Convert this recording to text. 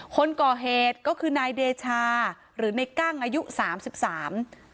คนก่อเหตุก็คือนายเดชาหรือในกั้งอายุสามสิบสาม